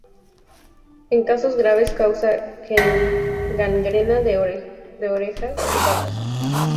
En casos graves causa gangrena de orejas y patas.